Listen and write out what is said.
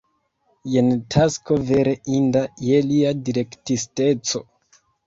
Jen tasko vere inda je lia direktisteco.